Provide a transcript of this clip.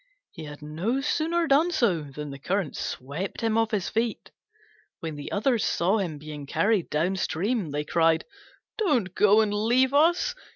He had no sooner done so than the current swept him off his feet. When the others saw him being carried down stream they cried, "Don't go and leave us!